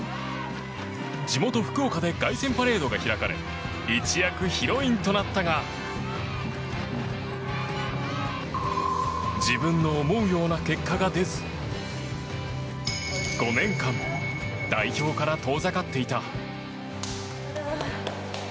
地元・福岡で凱旋パレードが開かれ一躍ヒロインとなったが自分の思うような結果が出ず５年間代表から遠ざかっていた。